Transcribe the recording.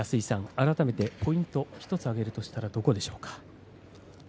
改めてポイントを１つ挙げるとしたら、どこでしょうか。